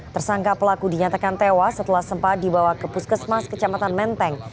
tersangka pelaku dinyatakan tewas setelah sempat dibawa ke puskesmas kecamatan menteng